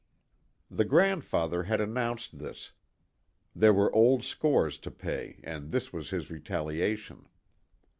The grand father had announced this there were old scores to pay and this was his retaliation.